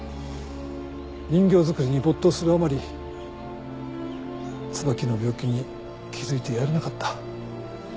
人形作りに没頭するあまり椿の病気に気付いてやれなかった。